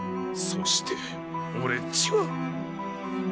そして俺っちは。